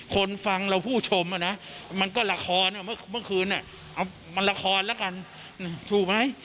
คนฟังเราผู้ชมอ่ะนะมันก็ราคอน่ะเมื่อคืนอ่ะมันราคอนละกันถูกไหม